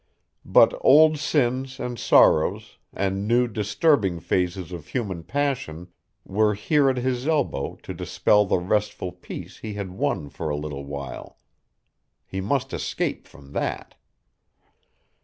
But old sins and sorrows and new, disturbing phases of human passion were here at his elbow to dispel the restful peace he had won for a little while. He must escape from that.